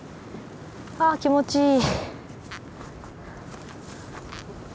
あ気持ちいい。